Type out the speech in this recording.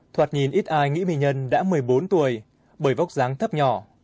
thoạt nhìn ít ai nghĩ minh nhân đã một mươi bốn tuổi bởi vóc dáng thấp nhỏ